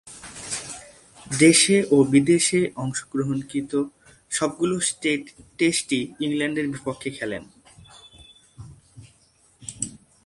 দেশে ও বিদেশে অংশগ্রহণকৃত সবগুলো টেস্টই ইংল্যান্ডের বিপক্ষে খেলেন।